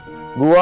bisa kita berdua